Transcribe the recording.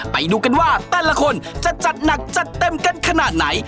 ไปดูกันว่าแต่ละคนจะจัดหนักจัดเต็มกันขนาดไหน